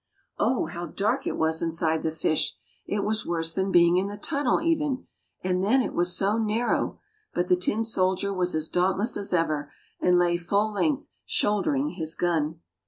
Oh! how dark it was inside the fish, it was worse than being in the tunnel even; and then it was so narrow! But the tin soldier was as dauntless as ever, and lay full length, shouldering his gun.